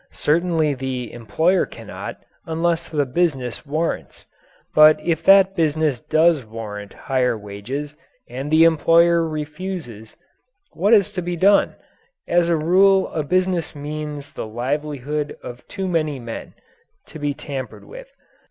Certainly the employer cannot, unless the business warrants. But if that business does warrant higher wages and the employer refuses, what is to be done? As a rule a business means the livelihood of too many men, to be tampered with.